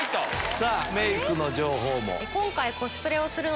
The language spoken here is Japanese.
さぁメークの情報も。